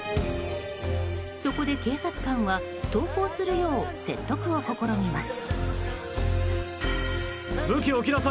そこで警察官は投降するよう説得を試みます。